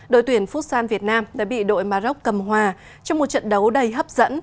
đội tuyển phúc san việt nam đã bị đội maroc cầm hòa trong một trận đấu đầy hấp dẫn